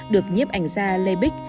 được nhếp ảnh gia lê bích